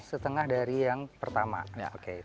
setengah dari yang pertama